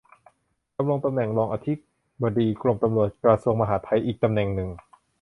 ดำรงตำแหน่งรองอธิบดีกรมตำรวจ กระทรวงมหาดไทย อีกตำแหน่งหนึ่ง